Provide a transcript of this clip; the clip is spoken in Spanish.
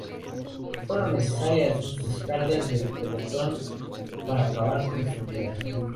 Fueron necesarias dos descargas del pelotón para acabar con su vida.